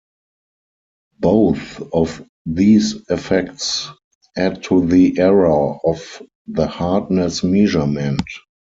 Both of these effects add to the error of the hardness measurement.